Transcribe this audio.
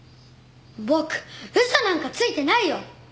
僕嘘なんかついてないよ！